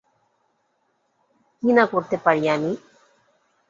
কী না করতে পারি আমি!